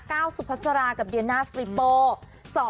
ก้าวสุภาษารากับเดียน่าฟริโป